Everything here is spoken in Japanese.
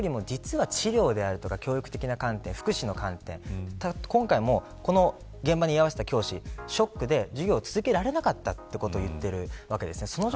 ですから、厳罰よりも実は治療であるとか教育的な観点福祉の観点、今回も現場に居合わせた教師ショックで授業を続けられなかったと言っているわけです。